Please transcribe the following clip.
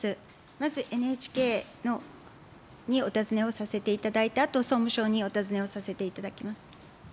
まず、ＮＨＫにお尋ねをさせていただいたあと、総務省にお尋ねをさせていただきます。